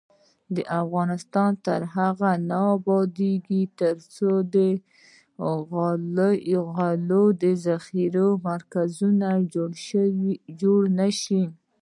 افغانستان تر هغو نه ابادیږي، ترڅو د غلو د ذخیرې مرکزونه جوړ نشي.